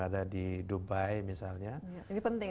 ada di dubai misalnya ini penting